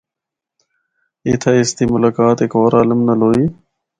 اِتھا اُس دی ملاقات ہک ہور عالم نال ہوئی۔